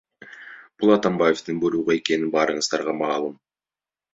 Бул Атамбаевдин буйругу экени баарыңыздарга маалым .